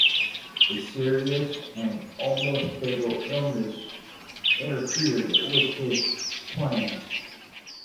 A serious and almost fatal illness interfered with his plans.